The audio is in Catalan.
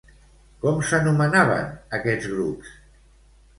Com s'anomenaven aquests grups?